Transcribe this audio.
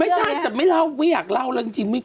ไม่ใช่แต่ไม่เล่าไม่อยากเล่าแล้วจริง